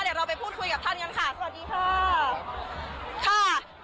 เดี๋ยวเราไปพูดคุยกับท่านกันค่ะสวัสดีค่ะค่ะ